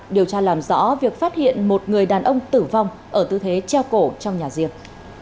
điều tra làm rõ việc phát hiện một người đàn ông tử vong ở tư thế treo cổ trong nhà riêng